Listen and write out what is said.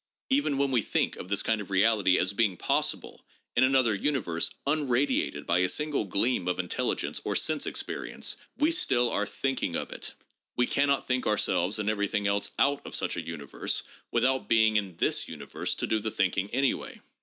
Even when we think of this kind of reality as being possible in another universe unradiated by a single gleam of intelligence or sense experience, we still are thinking of it ; we cannot think ourselves and every thing else out of such a universe without being in this universe to do this thinking away.